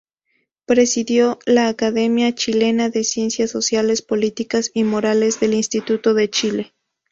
Presidió la Academia Chilena de Ciencias Sociales, Políticas y Morales del Instituto de Chile.